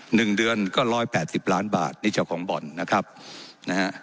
หนึ่งเดือนก็ร้อยแปดสิบล้านบาทนี่เจ้าของบ่อนนะครับนะฮะ